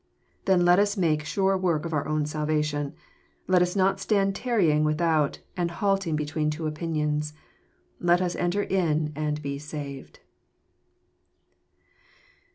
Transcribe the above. Then let us make sure work of our own salvation. Let us not stand tarrying without, and halting between two opinions. Let us enter in and be saved.